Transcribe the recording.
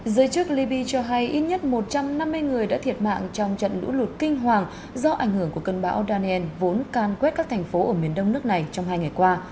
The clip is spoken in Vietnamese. giới chức libya cho hay ít nhất một trăm năm mươi người đã thiệt mạng trong trận lũ lụt kinh hoàng do ảnh hưởng của cơn bão daniel vốn can quét các thành phố ở miền đông nước này trong hai ngày qua